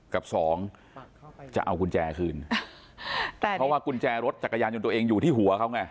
กับสองจะเอากุญแจคืนแต่เพราะว่ากุญแจรถจักรยานยนต์ตัวเองอยู่ที่หัวเขาไง